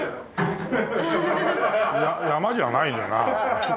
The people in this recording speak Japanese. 山じゃないよな。